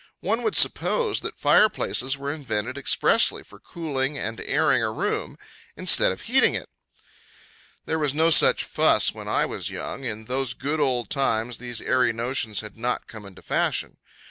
One would suppose that fire places were invented expressly for cooling and airing a room, instead of heating it. There was no such fuss when I was young; in those good old times these airy notions had not come into fashion.